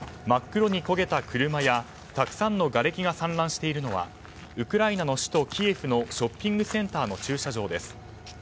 真っ黒に焦げた車やたくさんのがれきが散乱しているのはウクライナの首都キエフのショッピングセンターの駐車場です。